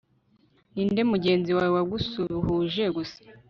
Ninde mugenzi wawe wagusuhuje gusa